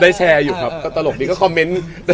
แชร์อยู่ครับก็ตลกดีก็คอมเมนต์